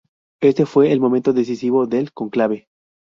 Éste fue el momento decisivo del cónclave.